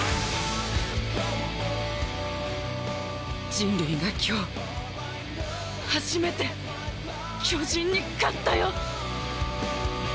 人類が今日初めて巨人に勝ったよ！